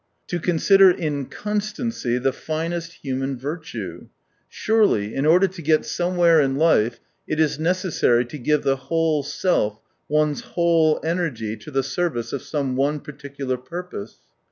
To consider inconstancy the finest human virtue ! Surely in order to get somewhere in life it is neces sary to give the whole self, one's whole energy to the service of some one particular purpose.